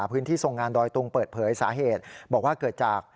พื้นที่ทรงงานดอยตุงเปิดเผยสาเหตุบอกว่าเกิดจาก